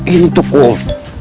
ini tuh kum